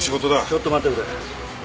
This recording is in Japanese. ちょっと待ってくれ。